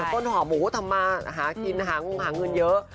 ขอนหมูตำมาหาขินหาเงินเยอะ